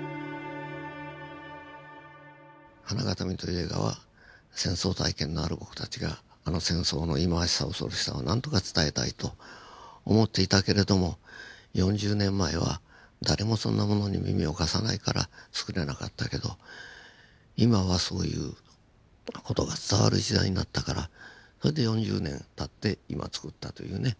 「花筐／ＨＡＮＡＧＡＴＡＭＩ」という映画は戦争体験のある僕たちがあの戦争の忌まわしさ恐ろしさを何とか伝えたいと思っていたけれども４０年前は誰もそんなものに耳を貸さないからつくれなかったけど今はそういう事が伝わる時代になったからそれで４０年たって今つくったというね。